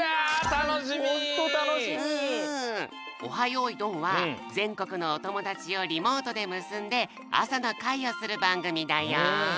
よいどん」はぜんこくのおともだちをリモートでむすんであさのかいをするばんぐみだよ。